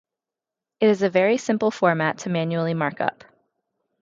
It is a very simple format to manually mark up.